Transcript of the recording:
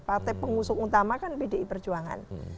partai pengusung utama kan pdi perjuangan